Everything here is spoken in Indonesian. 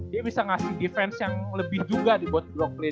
dia bisa ngasih defense yang lebih juga di bot brooklyn gitu